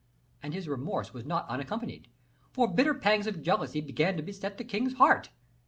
And his remorse was not unaccompanied; for bitter pangs of jealousy began to beset the king's heart.